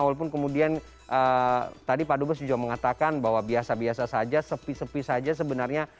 walaupun kemudian tadi pak dubes juga mengatakan bahwa biasa biasa saja sepi sepi saja sebenarnya